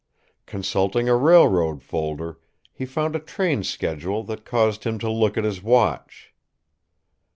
Consulting a railroad folder, he found a train schedule that caused him to look at his watch.